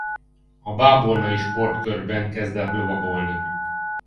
A Bábolnai Sportkörben kezdett lovagolni.